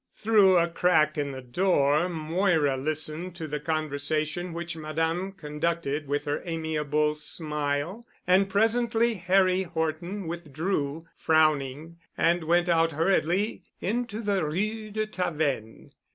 Through a crack in the door Moira listened to the conversation which Madame conducted with her amiable smile, and presently Harry Horton withdrew frowning and went out hurriedly into the Rue de Tavennes.